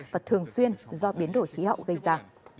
và thường xuyên do biến đổi khí hậu gây ra